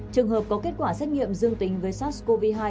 trường hợp có kết quả xét nghiệm dương tính với sars cov hai